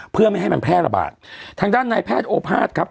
เพื่อไม่ให้มันแพร่ระบาดทางด้านในแพทย์โอภาษย์ครับ